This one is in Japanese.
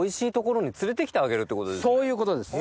そういうことです。